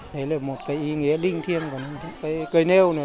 đấy là một cái ý nghĩa linh thiêng của cái cây nêu này